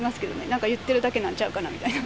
なんか言ってるだけなんちゃうかなみたいな。